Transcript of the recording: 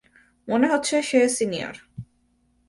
মনে হচ্ছে সে সিনিয়র।